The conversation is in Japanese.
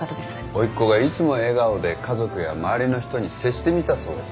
おいっ子がいつも笑顔で家族や周りの人に接してみたそうです。